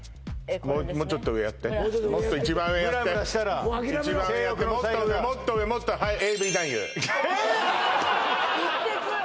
もうちょっと上やってもっと一番上やってもう諦めろ一番上やってもっと上もっと上もっとはいＡＶ男優えーっ！？